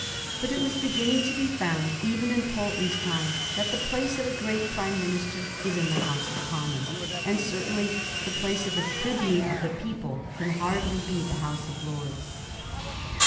But it was beginning to be found, even in Pulteney's time, that the place of a great Prime minister is in the House of Commons; and certainly the place of a tribune of the people can hardly be the House of Lords.